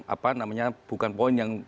apa namanya bukan poin yang